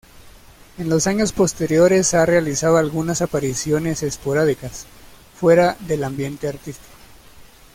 En los años posteriores ha realizado algunas apariciones esporádicas, fuera del ambiente artístico.